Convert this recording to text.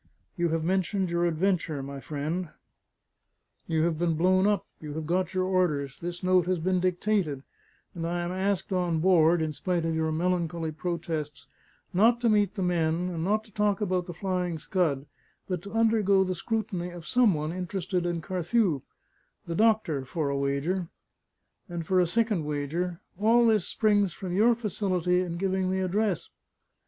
You have mentioned your adventure, my friend; you have been blown up; you have got your orders; this note has been dictated; and I am asked on board (in spite of your melancholy protests) not to meet the men, and not to talk about the Flying Scud, but to undergo the scrutiny of some one interested in Carthew: the doctor, for a wager. And for a second wager, all this springs from your facility in giving the address."